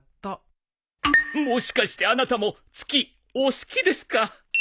もしかしてあなたも月お好きですか？